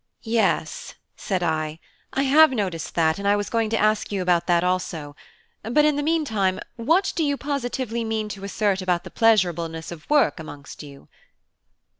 "Yes," said I, "I have noticed that, and I was going to ask you about that also. But in the meantime, what do you positively mean to assert about the pleasurableness of work amongst you?"